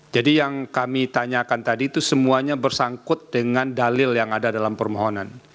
jadi yang kami tanyakan tadi itu semuanya bersangkut dengan dalil yang ada dalam permohonan